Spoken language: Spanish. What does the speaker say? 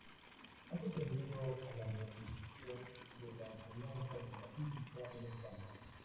Ha contribuido a la modernización de la enseñanza de la Física en España.